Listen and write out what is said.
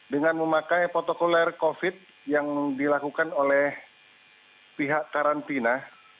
dengan memakai protokoler covid yang dilakukan oleh pihak karantina